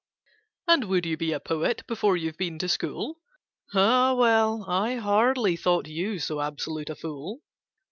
"And would you be a poet Before you've been to school? Ah, well! I hardly thought you So absolute a fool.